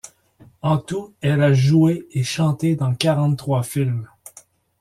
En tout, elle a joué et chanté dans quarante-trois films.